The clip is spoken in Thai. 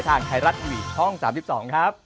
ไทรัตวิทย์ช่อง๓๒ครับ